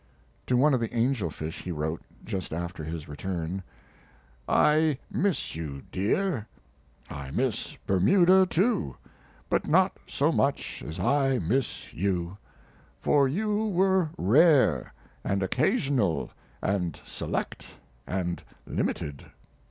To one of the angel fish he wrote, just after his return: I miss you, dear. I miss Bermuda, too, but not so much as I miss you; for you were rare, and occasional and select, and Ltd.